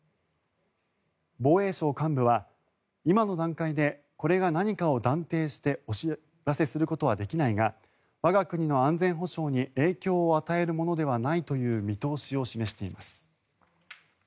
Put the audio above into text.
防衛省幹部は今の段階でこれが何かを断定してお知らせすることはできないが我が国の安全保障に影響を与えるものではないという見通しを示しています。